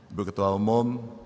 ibu ketua umum